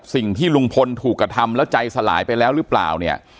ได้กับสิ่งที่ลุงพลถูกกระทำแล้วใจสลายไปแล้วหรือเปล่า